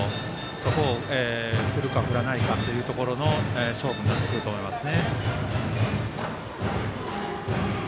そこを振るか振らないかというところの勝負になってくると思います。